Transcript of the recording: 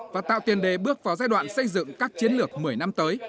và tạo tiền đề bước vào giai đoạn xây dựng các chiến lược một mươi năm tới